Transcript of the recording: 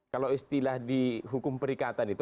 kalau istilah di hukum perikatan itu